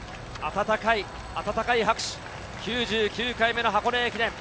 温かい拍手、９９回目の箱根駅伝。